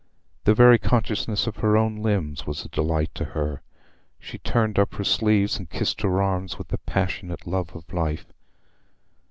The very consciousness of her own limbs was a delight to her: she turned up her sleeves, and kissed her arms with the passionate love of life.